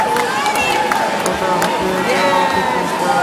সেটা হতে দেওয়া উচিত নয়, স্যার।